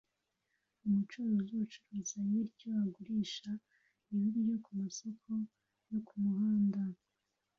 Umucuruzi ucuruza ibiryo agurisha ibiryo kumasoko yo kumuhanda